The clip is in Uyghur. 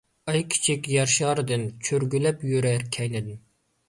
ئاي كىچىك يەر شارىدىن ، چۆرگۈلەپ يۈرەر كەينىدىن.